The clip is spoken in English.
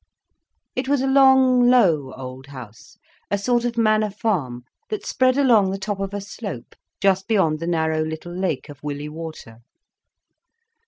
It was a long, low old house, a sort of manor farm, that spread along the top of a slope just beyond the narrow little lake of Willey Water.